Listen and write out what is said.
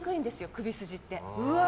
首筋って。